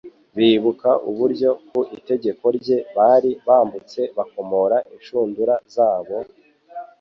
Bibuka uburyo ku itegeko rye bari bambutse bakomora inshundura zabo,